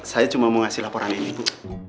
saya cuma mau ngasih laporan ini bu